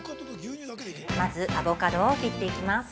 ◆まずアボカドを切っていきます。